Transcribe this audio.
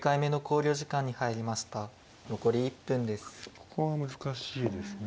ここは難しいですね。